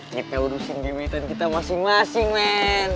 kita urusin duitan kita masing masing men